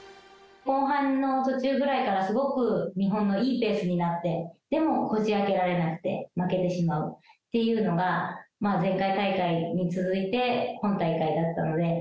後半の途中ぐらいから、すごく日本のいいペースになって、でも、こじあけられなくて、負けてしまうっていうのが、前回大会に続いて今大会だったので。